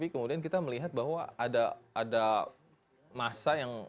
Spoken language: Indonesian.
kemudian kita melihat bahwa ada masa yang